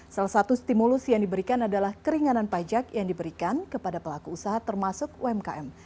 salah satu stimulus yang diberikan adalah keringanan pajak yang diberikan kepada pelaku usaha termasuk umkm